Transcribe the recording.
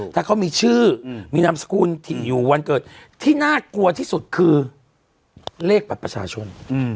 ถ้าเขามีชื่อมีนามสกุลที่อยู่วันเกิดที่น่ากลัวที่สุดคือเลขบัตรประชาชน